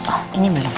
oh ini belum